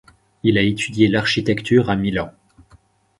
Il a étudié l'architecture à Milan.